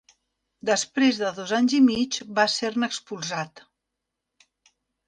Després de dos anys i mig va ser-ne expulsat.